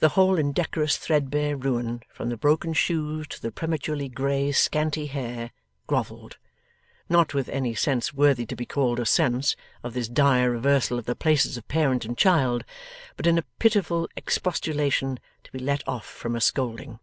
The whole indecorous threadbare ruin, from the broken shoes to the prematurely grey scanty hair, grovelled. Not with any sense worthy to be called a sense, of this dire reversal of the places of parent and child, but in a pitiful expostulation to be let off from a scolding.